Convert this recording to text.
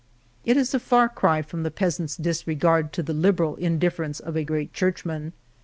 It is a far cry from the peasant's disregard to the liberal indiffer ence of a great Churchman.